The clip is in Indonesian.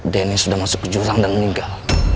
dennis udah masuk ke jurang dan meninggal